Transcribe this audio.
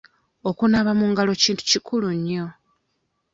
Okunaaba mu ngalo kintu kikulu nnyo.